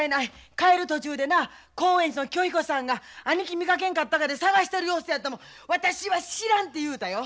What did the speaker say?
帰る途中でな興園寺の清彦さんが兄貴見かけんかったかって捜してる様子やったも私は知らんて言うたよ。